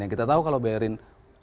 yang kita tahu kalau berin